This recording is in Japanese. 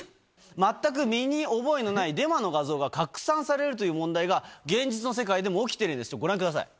全く身に覚えのないデマの画像が拡散されるという問題が、現実の世界でも起きてるんです。